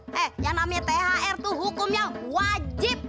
heeh yang namanya thr tuh hukum yang wajib